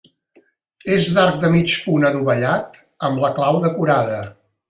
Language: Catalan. És d'arc de mig punt adovellat, amb la clau decorada.